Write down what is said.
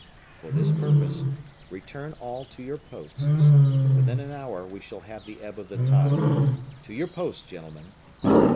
For this purpose, return all to your posts; within an hour, we shall have the ebb of the tide. To your posts, gentlemen!